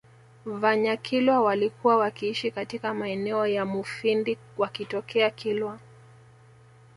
Vanyakilwa walikuwa wakiishi katika maeneo ya Mufindi wakitokea Kilwa